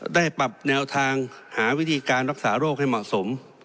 ได้ปรับแนวทางหาวิธีการรักษาโรคให้เหมาะสม